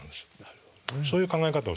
そういう考え方をします。